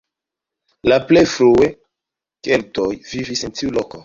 La plej frue keltoj vivis en tiu loko.